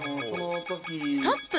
ストップ。